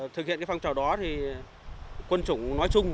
thực hiện phong trào đó thì quân chủng nói chung